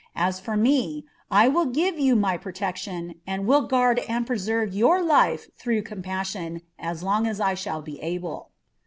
As for me, I will gira foti luy proieciion. and will guani and preserve your life tltrongti coin paasiui), as long as I shall be able."